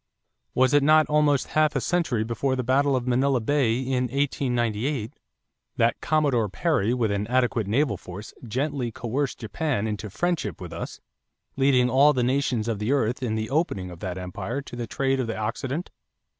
Was it not almost half a century before the battle of Manila Bay in 1898, that Commodore Perry with an adequate naval force "gently coerced Japan into friendship with us," leading all the nations of the earth in the opening of that empire to the trade of the Occident?